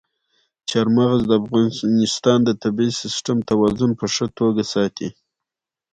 چار مغز د افغانستان د طبعي سیسټم توازن په ښه توګه ساتي.